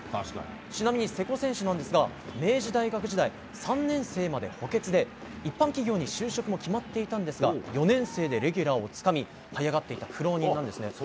ちなみに瀬古選手ですが明治大学時代３年生まで補欠で一般企業に就職も決まっていたんですが４年生でレギュラーをつかみはい上がった苦労人なんです。